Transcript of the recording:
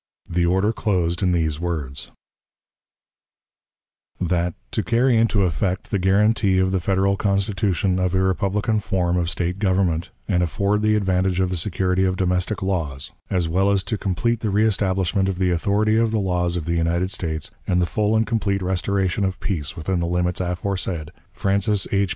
The order closed in these words: "That, to carry into effect the guarantee of the Federal Constitution of a republican form of State government, and afford the advantage of the security of domestic laws, as well as to complete the reestablishment of the authority of the laws of the United States and the full and complete restoration of peace within the limits aforesaid, Francis H.